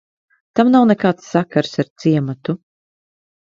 Tam nav nekāds sakars ar ciematu.